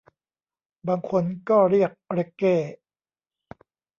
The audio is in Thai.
บางคนก็เรียกเร็กเก้